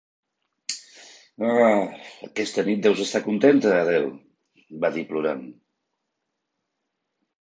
"Ah, aquesta nit deus estar contenta, Adele", va dir plorant.